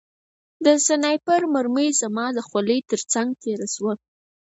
د سنایپر مرمۍ زما د خولۍ ترڅنګ تېره شوه